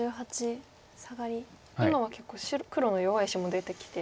今は結構黒の弱い石も出てきて。